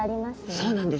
そうなんです。